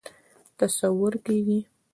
تصور کېږي.